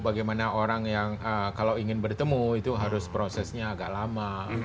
bagaimana orang yang kalau ingin bertemu itu harus prosesnya agak lama